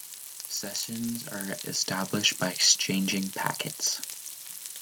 Sessions are established by exchanging packets.